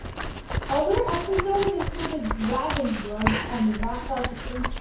Other episodes included "Dragon's Blood" and "Ratha's Creature".